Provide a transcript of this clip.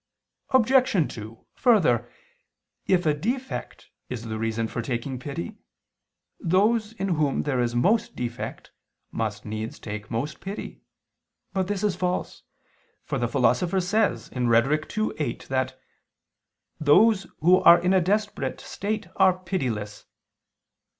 Obj. 2: Further, if a defect is the reason for taking pity, those in whom there is most defect, must needs take most pity. But this is false: for the Philosopher says (Rhet. ii, 8) that "those who are in a desperate state are pitiless."